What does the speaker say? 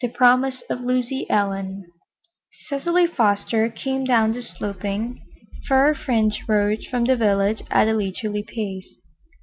The Promise of Lucy EllenToC Cecily Foster came down the sloping, fir fringed road from the village at a leisurely pace.